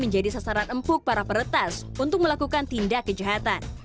menjadi sasaran empuk para peretas untuk melakukan tindak kejahatan